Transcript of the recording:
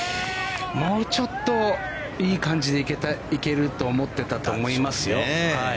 もうちょっといい感じに行けると思っていたと思いますよ。